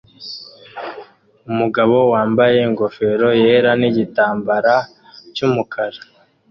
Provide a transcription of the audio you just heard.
Umugore wambaye ingofero yera nigitambara cyumukara